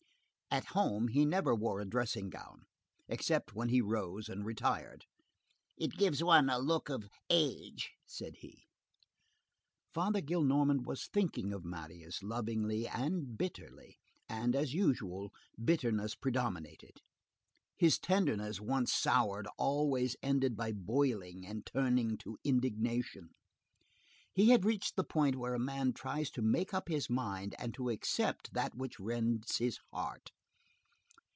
At home, he never wore a dressing gown, except when he rose and retired. "It gives one a look of age," said he. Father Gillenormand was thinking of Marius lovingly and bitterly; and, as usual, bitterness predominated. His tenderness once soured always ended by boiling and turning to indignation. He had reached the point where a man tries to make up his mind and to accept that which rends his heart.